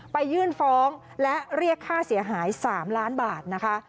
ยื่นฟ้องและเรียกค่าเสียหาย๓ล้านบาทนะคะ